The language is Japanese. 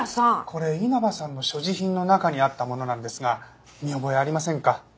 これ稲葉さんの所持品の中にあったものなんですが見覚えありませんか？